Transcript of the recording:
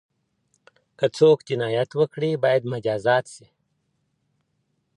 که څوک جنایت وکړي باید مجازات سي.